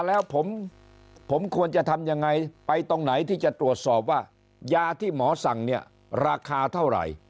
แล้วผมควรจะทำยังไงไปตรงไหนที่จะตรวจสอบว่ายาที่หมอสั่งเนี่ยราคาเท่าไหร่